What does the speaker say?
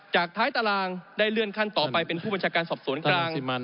จากท้ายตารางได้เลื่อนขั้นต่อไปเป็นผู้บัญชาการสอบสวนกลาง